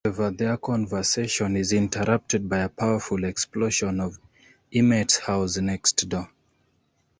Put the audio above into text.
However, their conversation is interrupted by a powerful explosion at Emmett's house next door.